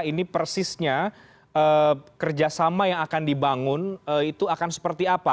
ini persisnya kerjasama yang akan dibangun itu akan seperti apa